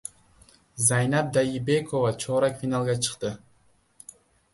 Zaynab Dayibekova chorak finalga chiqdi